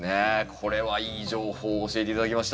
これはいい情報を教えて頂きました。